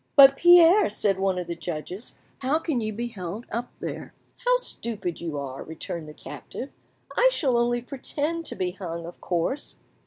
"But, Pierre," said one of the judges, "how can you be held up there?" "How stupid you are!" returned the captive. "I shall only pretend to be hung, of course.